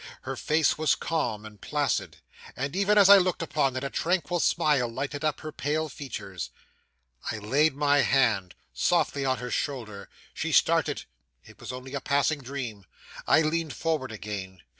Her face was calm and placid; and even as I looked upon it, a tranquil smile lighted up her pale features. I laid my hand softly on her shoulder. She started it was only a passing dream. I leaned forward again.